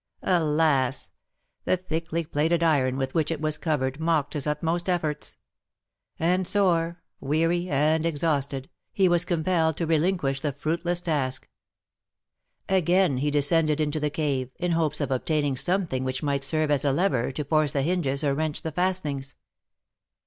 Alas! the thickly plated iron with which it was covered mocked his utmost efforts; and sore, weary, and exhausted, he was compelled to relinquish the fruitless task. Again he descended into the cave, in hopes of obtaining something which might serve as a lever to force the hinges or wrench the fastenings.